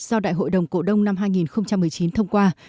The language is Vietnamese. do đại hội đồng cổ đông năm hai nghìn một mươi chín thông qua